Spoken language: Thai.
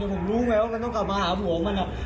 ผมรู้ไหมว่ามันต้องกลับมาหาผัวมัน